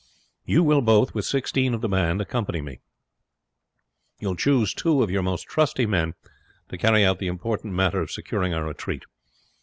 You will both, with sixteen of the band, accompany me. You will choose two of your most trusty men to carry out the important matter of securing our retreat.